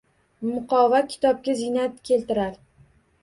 Muqova kitobga ziynat keltirar